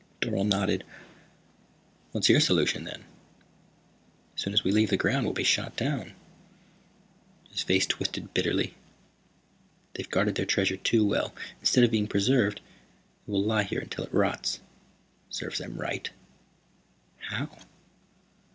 Dorle nodded. "What's your solution, then? As soon as we leave the ground we'll be shot down." His face twisted bitterly. "They've guarded their treasure too well. Instead of being preserved it will lie here until it rots. It serves them right." "How?"